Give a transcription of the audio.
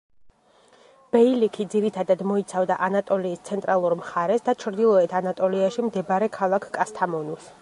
ბეილიქი ძირითადად მოიცავდა ანატოლიის ცენტრალურ მხარეს და ჩრდილოეთ ანატოლიაში მდებარე ქალაქ კასთამონუს.